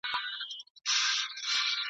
د ابوجهل د دې سکني زوی `